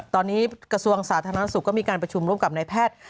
ตอนนี้กระทรวงสาธารณสุขก็มีการประชุมร่วมกับนายแพทย์